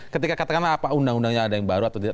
ketika katakanlah apa undang undangnya ada yang baru atau tidak